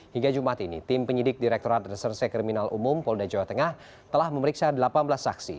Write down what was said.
hingga jumat ini tim penyidik direkturat reserse kriminal umum polda jawa tengah telah memeriksa delapan belas saksi